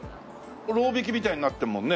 こころう引きみたいになってるもんね。